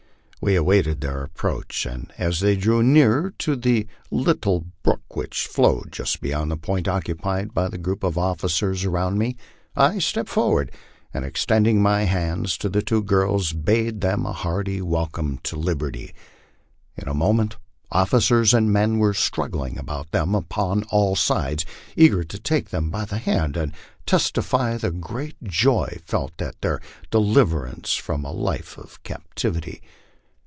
We awaited their approach, and as they drew near to the little brook which flowed just beyond the point occupied by the group of officers around me, I stepped forward, and extending my hands to the two girls, bade them a hearty welcome to liberty. In a moment officers and men were strug gling about them upon all sides, eager to take them by the hand, and testify the great joy felt at their deliverance from a life of captivity.